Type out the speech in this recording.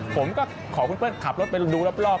ผมก็ขอคุณเปิ้ลขับรถไปดูรอบ